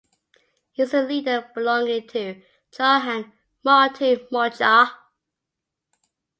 He is an leader belonging to Jharkhand Mukti Morcha.